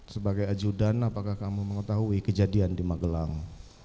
sebagai ajudan apakah kamu mengetahui kejadian di magelang